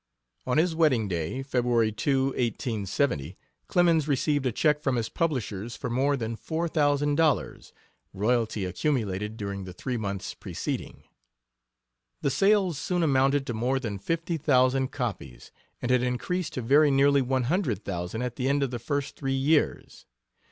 On his wedding day, February 2, 1870, Clemens received a check from his publishers for more than four thousand dollars, royalty accumulated during the three months preceding. The sales soon amounted to more than fifty thousand copies, and had increased to very nearly one hundred thousand at the end of the first three years.